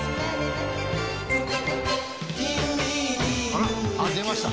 あっ出ました。